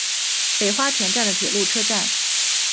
北花田站的铁路车站。